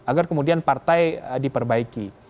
agar kemudian partai diperbaiki